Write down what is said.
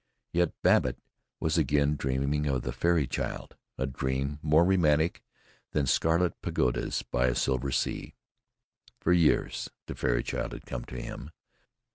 Yet Babbitt was again dreaming of the fairy child, a dream more romantic than scarlet pagodas by a silver sea. For years the fairy child had come to him.